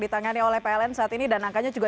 ditangani oleh pln saat ini dan angkanya juga